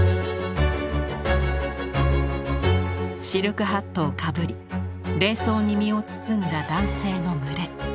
シルクハットをかぶり礼装に身を包んだ男性の群れ。